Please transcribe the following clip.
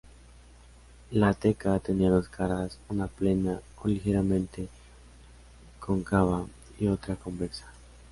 La teca tenía dos caras, una plana o ligeramente cóncava y otra convexa.